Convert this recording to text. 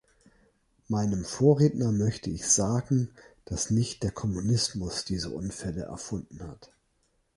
Meinem Vorredner möchte ich sagen, dass nicht der Kommunismus diese Unfälle erfunden hat.